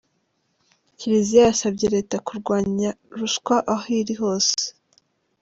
Kiliziya yasabye Leta kurwanya ruswa aho iri hose